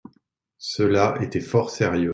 Cela était fort sérieux.